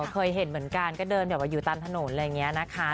เคยเห็นเหมือนกันเคยเดินอยู่ตามถนนอะไรแบบนี้นะคะ